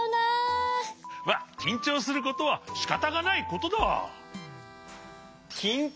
まっきんちょうすることはしかたがないことだ。